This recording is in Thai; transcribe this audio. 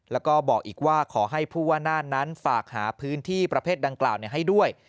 แล้วก็บอกอีกว่าขอให้ผู้ว่าน่านนั้นฝากหาพื้นที่ประเภทดังกล่าวให้ด้วย